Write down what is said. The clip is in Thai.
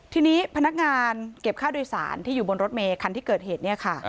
ทีนี้พนักงานเก็บค่าโดยสารที่อยู่บนรถเมย์คันที่เกิดเหตุเนี่ยค่ะ